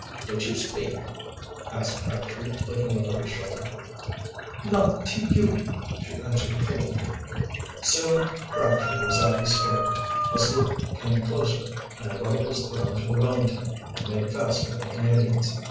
"Did you speak?" asked Crabtree, looking over his shoulder. "Not to you," she answered coldly. Soon Crabtree was at the stern. The sloop came closer, and a rope was thrown to the Wellington and made fast by the Canadians.